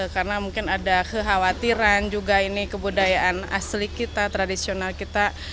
karena mungkin ada kekhawatiran juga ini kebudayaan asli kita tradisional kita